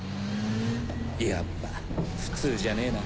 やっぱ普通じゃねえな